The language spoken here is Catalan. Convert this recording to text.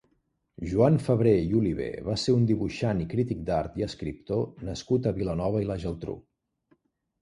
Joan Fabré i Oliver va ser un dibuixant i crític d’art i escriptor nascut a Vilanova i la Geltrú.